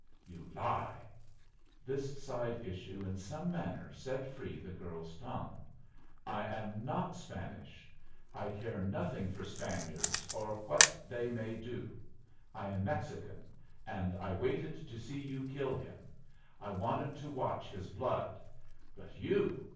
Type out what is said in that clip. "You lie!" This side issue in some manner set free the girl's tongue, "I am not Spanish. I care nothing for Spaniards or what they may do. I am Mexican, and I waited to see you kill him. I wanted to watch his blood. But you!